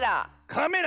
カメラ。